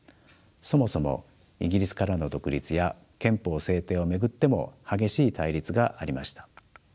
そもそもイギリスからの独立や憲法制定を巡っても激しい対立がありました。